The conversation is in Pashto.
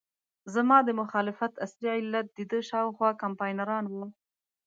زما د مخالفت اصلي علت دده شاوخوا کمپاینران وو.